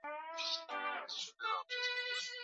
usajiri wa redio unategemea eneo la utangazaji